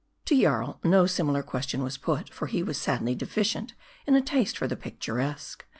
To Jarl, no similar question was put ; for he was sadly deficient in a taste for the picturesque.